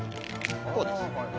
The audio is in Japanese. こうです。